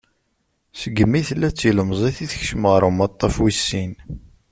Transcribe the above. Segmi tella d tilemẓit i tekcem ɣer umaṭtaf wis sin.